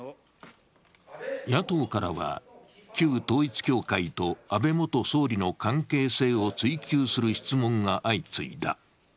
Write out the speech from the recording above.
野党からは、旧統一教会と安倍元総理の関係性を追及する質問が相次いだ。